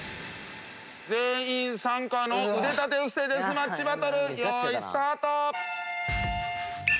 全員参加の腕立て伏せデスマッチバトル用意スタート！